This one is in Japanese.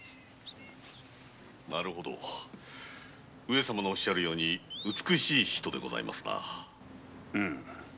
上様のおっしゃるように美しい人でございますな。